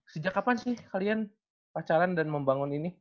sejak kapan sih kalian pacaran dan membangun ini